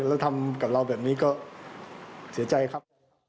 แล้วทำกับเราแบบนี้ก็เสียใจครับ